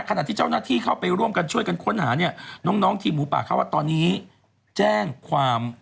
ขณะที่เจ้าหน้าที่เข้าไปร่วมกันช่วยกันค้นหาเนี่ยน้องทีมหมูป่าเขาว่าตอนนี้แจ้งความ